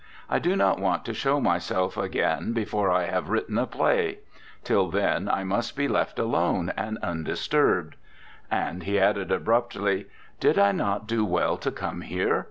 I do not want to show myself again before I have written a play. Till then I must be left alone and undisturbed.' And he added abruptly, 'Did I not do well to come here?